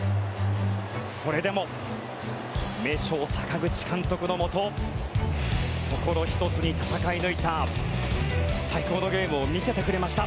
それでも名将・阪口監督のもと心を１つに戦い抜いた最高のゲームを見せてくれました。